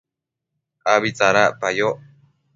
abi tsadacpayoc